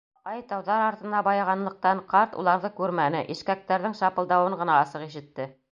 Ай тауҙар артына байығанлыҡтан, ҡарт уларҙы күрмәне, ишкәктәрҙең шапылдауын ғына асыҡ ишетте.